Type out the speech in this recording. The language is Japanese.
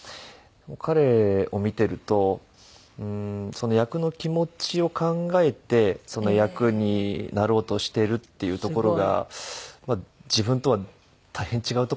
彼を見てると役の気持ちを考えてその役になろうとしているっていうところが自分とは大変違うところだなと。